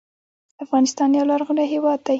افغانستان یو لرغونی هیواد دی